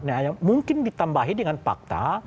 nah mungkin ditambahi dengan fakta